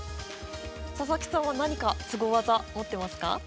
佐々木さんは何かすご技持ってますか？